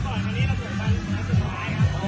สวัสดีครับวันนี้ชัพเบียนเอ้าเฮ้ย